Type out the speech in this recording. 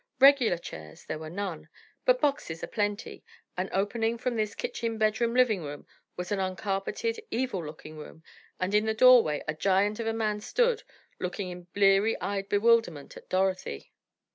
Regular chairs there were none, but boxes aplenty, and opening from this kitchen bedroom living room was an uncarpeted, evil looking room, and in the doorway a giant of a man stood, looking in bleary eyed bewilderment at Dorothy.